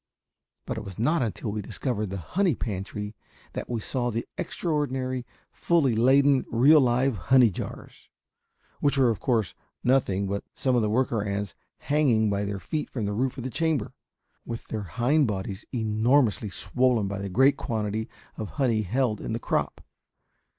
But it was not until we discovered the honey pantry that we saw the extraordinary fully laden real live honey jars, which were, of course, nothing but some of the worker ants hanging by their feet from the roof of the chamber, with their hind bodies enormously swollen by the great quantity of honey held in the crop.